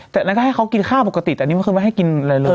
แต่มันก็ให้เขากินข้าวปกติแต่กินบางอย่างไง